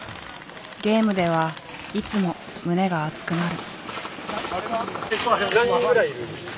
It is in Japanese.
ゲームではいつも胸が熱くなる。